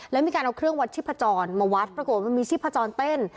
แล้วมีการเอาเครื่องวัดชีพจรมาวัดปรากฏว่ามันมีชีพจรเต้น